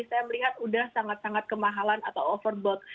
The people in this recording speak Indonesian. saya melihat sudah sangat sangat kemahalan atau overboard